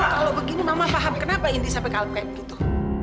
kalau begini mama paham kenapa indi sampai kalep kayak begitu